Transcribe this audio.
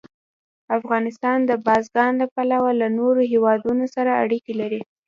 افغانستان د بزګان له پلوه له نورو هېوادونو سره اړیکې لري.